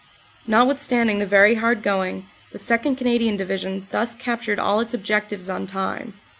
Notwithstanding the very hard going, the 2nd. Canadian Division thus captured all its objectives on time.